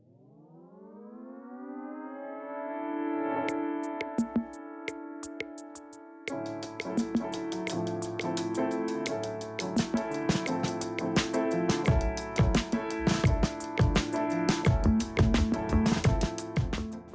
กุฏรปลูกต้นไม้สวัสดีครับ